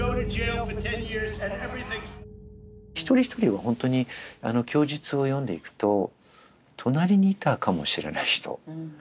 一人一人は本当に供述を読んでいくと隣にいたかもしれない人。